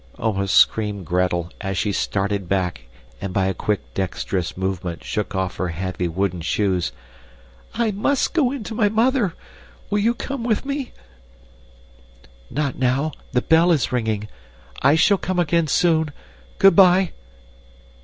almost screamed Gretel, as she started back and, by a quick, dexterous movement shook off her heavy wooden shoes. "I MUST go in to my mother! Will you come with me?" "Not now, the bell is ringing. I shall come again soon. Good bye!"